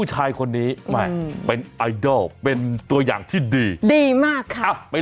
ตาซ้ายเป็นอะไรนะพ่อเอ้ย